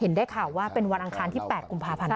ได้ข่าวว่าเป็นวันอังคารที่๘กุมภาพันธ์